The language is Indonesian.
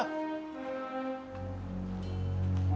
buat apa ji